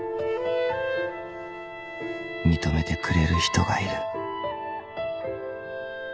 ［認めてくれる人がいる］